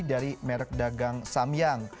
dari merek dagang samyang